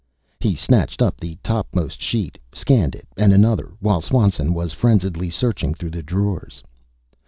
He snatched up the topmost sheet, scanned it, and another, while Swanson was frenziedly searching through the drawers.